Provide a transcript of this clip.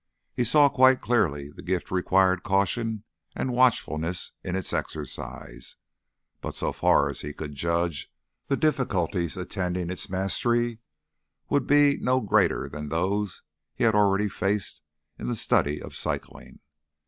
He saw quite clearly the gift required caution and watchfulness in its exercise, but so far as he could judge the difficulties attending its mastery would be no greater than those he had already faced in the study of cycling.